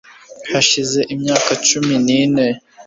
hashize imyaka cumi n ine